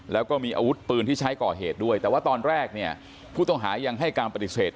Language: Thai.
แล้วก็มีอาวุธปืนที่ใช้ก่อเหตุด้วยแต่ว่าตอนแรกเนี่ยผู้ต้องหายังให้การปฏิเสธ